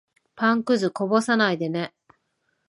パンくず、こぼさないでね。